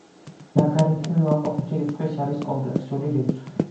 ლოგარითმი უარყოფითი რიცხვის არის კომპლექსური რიცხვი.